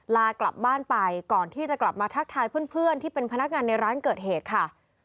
ลากลับบ้านไปก่อนที่จะกลับมาทักทายเพื่อนที่เป็นพนักงานในร้านเกิดเหตุค่ะ